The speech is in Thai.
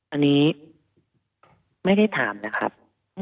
อันนี้ไม่ได้ถามนะครับ